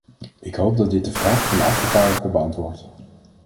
Ik hoop dat dit de vraag van de afgevaardigde beantwoordt.